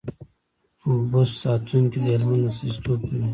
بست ساتونکي د هلمند استازیتوب کوي.